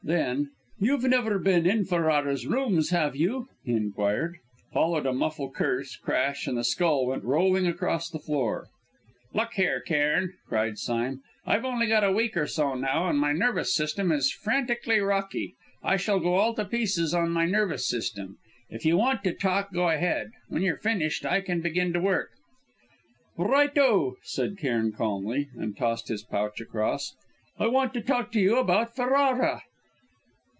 Then "You've never been in Ferrara's rooms, have you?" he inquired. Followed a muffled curse, crash, and the skull went rolling across the floor. "Look here, Cairn," cried Sime, "I've only got a week or so now, and my nervous system is frantically rocky; I shall go all to pieces on my nervous system. If you want to talk, go ahead. When you're finished, I can begin work." "Right oh," said Cairn calmly, and tossed his pouch across. "I want to talk to you about Ferrara."